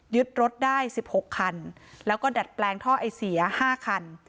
ยึดรถได้สิบหกคันแล้วก็ดัดแปลงท่อไอเสียห้าคัน